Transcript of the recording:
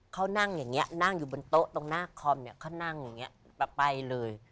เขานั่งอย่างนี้นั่งอยู่บนโต๊ะตรงหน้าคอมเนี่ยเขานั่งอย่างนี้แบบไปเลย